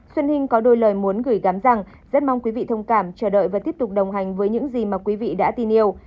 xuân hinh có đôi lời muốn gửi gắm rằng rất mong quý vị thông cảm chờ đợi và tiếp tục đồng hành với những gì mà quý vị đã tin yêu